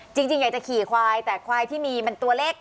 จริงอยากจะขี่ควายแต่ควายที่มีมันตัวเล็ก